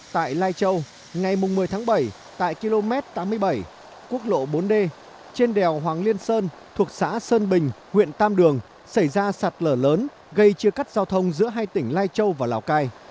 tại lai châu ngày một mươi tháng bảy tại km tám mươi bảy quốc lộ bốn d trên đèo hoàng liên sơn thuộc xã sơn bình huyện tam đường xảy ra sạt lở lớn gây chia cắt giao thông giữa hai tỉnh lai châu và lào cai